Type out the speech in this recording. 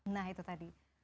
nah itu tadi